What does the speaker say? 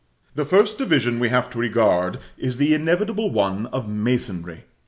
The first division we have to regard, is the inevitable one of masonry.